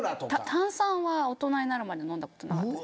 炭酸は大人になるまで飲んだことなかった。